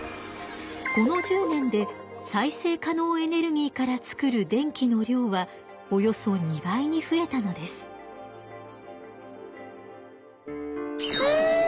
この１０年で再生可能エネルギーから作る電気の量はおよそ２倍に増えたのです。え！？